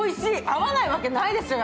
合わないわけないですよ。